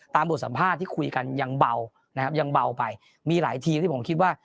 บทสัมภาษณ์ที่คุยกันยังเบานะครับยังเบาไปมีหลายทีมที่ผมคิดว่า